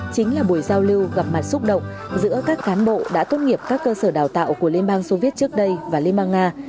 chính là buổi giao lưu gặp mặt xúc động giữa các cán bộ đã tốt nghiệp các cơ sở đào tạo của liên bang soviet trước đây và liên bang nga